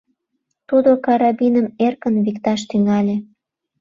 Тудо карабиным эркын викташ тӱҥале.